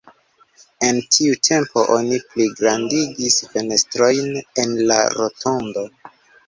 En tiu tempo oni pligrandigis fenestrojn en la rotondo.